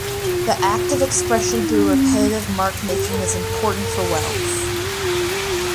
The act of expression through repetitive mark making is important for Wells.